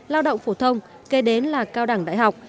lao động phổ thông kế đến là cao đẳng đại học